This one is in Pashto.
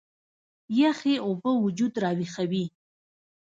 يخې اوبۀ وجود راوېخوي